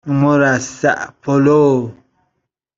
مرصع پلو